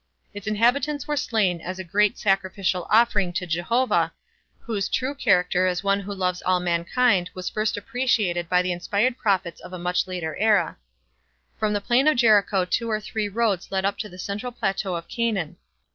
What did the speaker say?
Its inhabitants were slain as a great sacrificial offering to Jehovah, whose true character as one who loves all mankind was first appreciated by the inspired prophets of a much later From the plain of Jericho two or three roads led up to the central plateau of Canaan.